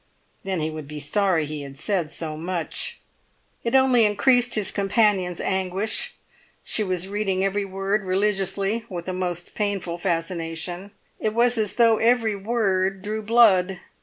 Then he would be sorry he had said so much. It only increased his companion's anguish. She was reading every word religiously, with a most painful fascination; it was as though every word drew blood.